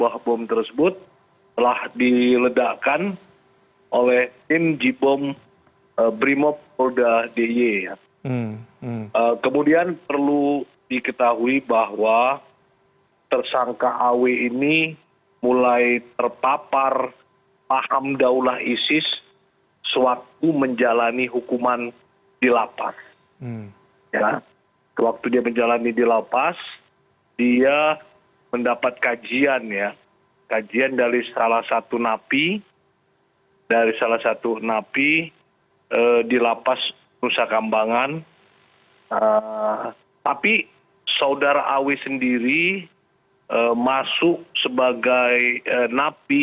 kami akan mencari penangkapan teroris di wilayah hukum sleman